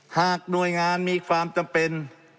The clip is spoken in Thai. หากหน่วยงานมีความจำเป็น